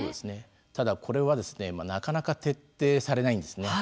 ただこれはですねなかなか徹底されないんですね。